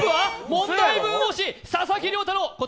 問題文押し、佐々木涼太郎！